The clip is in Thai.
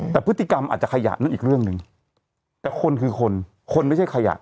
แต่พฤติกรรมอาจจะขยะนั่นอีกเรื่องหนึ่งแต่คนคือคนคนไม่ใช่ขยะ